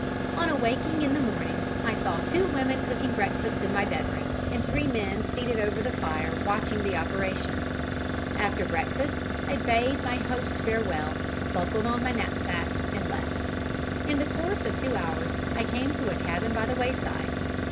"On awaking in the morning, I saw two women cooking breakfast in my bedroom, and three men seated over the fire watching the operation. After breakfast, I bade my host farewell, buckled on my knapsack and left. In the course of two hours, I came to a cabin by the wayside.